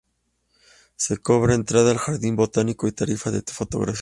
Se cobra entrada al jardín botánico y tarifa de fotografías.